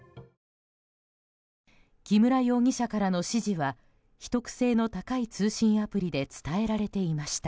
木村容疑者からの指示は秘匿性の高い通信アプリで伝えられていました。